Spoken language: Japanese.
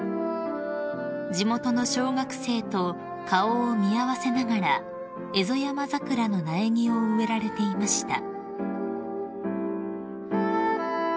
［地元の小学生と顔を見合わせながらエゾヤマザクラの苗木を植えられていました］